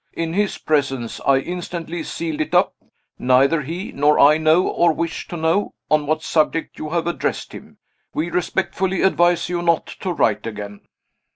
In his presence, I instantly sealed it up. Neither he nor I know, or wish to know, on what subject you have addressed him. We respectfully advise you not to write again."